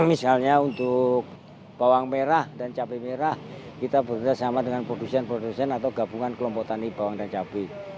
misalnya untuk bawang merah dan cabai merah kita bekerjasama dengan produsen produsen atau gabungan kelompok tani bawang dan cabai